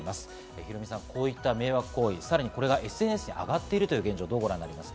ヒロミさん、こういった迷惑行為、さらにこれがＳＮＳに上がっている現状、どうご覧になりますか？